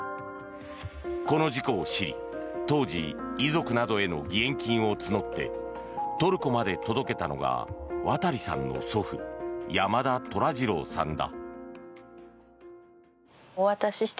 この事故を知り、当時遺族などへの義援金を募ってトルコまで届けたのが和多利さんの祖父山田寅次郎さんだ。